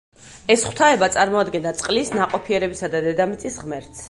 ეს ღვთაება წარმოადგენდა წყლის, ნაყოფიერებისა და დედამიწის ღმერთს.